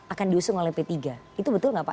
akan diusung oleh p tiga itu betul nggak pak